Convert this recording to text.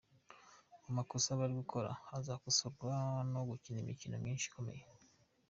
Amakosa bari gukora azakosorwa no gukina imikino myinshi ikomeye.